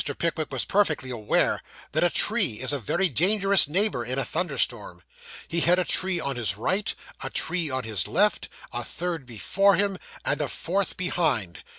Pickwick was perfectly aware that a tree is a very dangerous neighbour in a thunderstorm. He had a tree on his right, a tree on his left, a third before him, and a fourth behind.